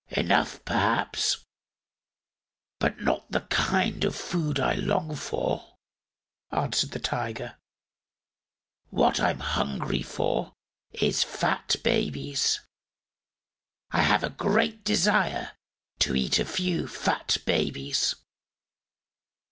"Enough, perhaps; but not the kind of food I long for," answered the Tiger. "What I'm hungry for is fat babies. I have a great desire to eat a few fat babies.